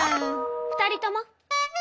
２人とも！